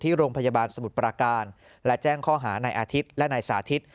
โรงพยาบาลสมุทรปราการและแจ้งข้อหานายอาทิตย์และนายสาธิต